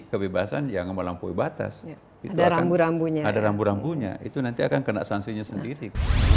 kebebasan yang melampaui batas itu akan ada rambu rambunya itu nanti akan kena sanksinya sendiri